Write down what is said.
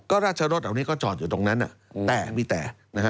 ก็ราชรถอันนี้ก็จอดอยู่ตรงนั้นแต่ไม่แต่